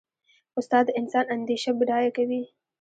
استاد د انسان اندیشه بډایه کوي.